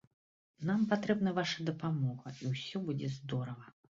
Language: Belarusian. Нам патрэбна ваша дапамога, і ўсё будзе здорава.